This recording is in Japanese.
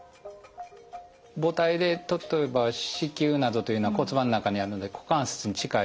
母胎で例えば子宮などというのは骨盤の中にあるんで股関節に近いです。